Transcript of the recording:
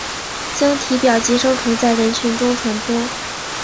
经体表寄生虫在人群中传播。